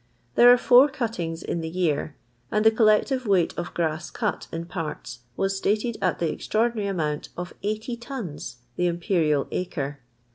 There arc four cut:::;:? in the year, and the collective weight of gnisa cl: in parts was stated at the extraordinary amount of SO tons the imperial .icre.